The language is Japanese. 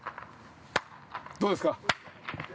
どうですか。